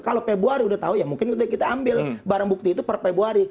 kalau februari udah tahu ya mungkin udah kita ambil barang bukti itu per februari